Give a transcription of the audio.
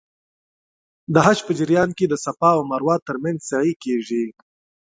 د حج په جریان کې د صفا او مروه ترمنځ سعی کېږي.